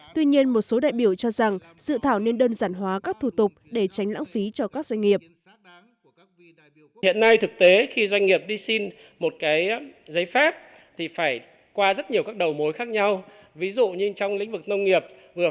tuy nhiên một số đại biểu cho rằng sự thảo nên đơn giản hóa các thủ tục để tránh lãng phí cho các doanh nghiệp